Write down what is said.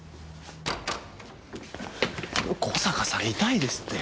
小坂さん痛いですって。